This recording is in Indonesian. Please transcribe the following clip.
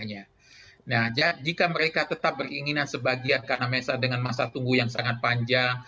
nah jika mereka tetap beringinan sebagian karena dengan masa tunggu yang sangat panjang